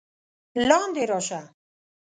لاندې راشه!